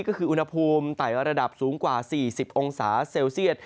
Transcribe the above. ก็คืออุณหภูมิไต่ระดับสูงกว่า๔๐องศาเซลเซียต